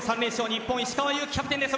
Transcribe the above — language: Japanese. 日本、石川祐希キャプテンです。